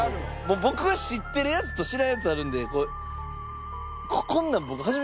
僕は知ってるやつと知らんやつあるんで。